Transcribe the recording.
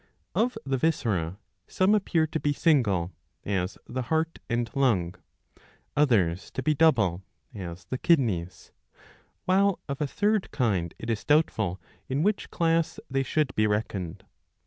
Of the viscera some appear to be single, as the heart and lung ; others to be double, as the kidneys ; while of a third kind it is doubtful in which class they should be reckoned.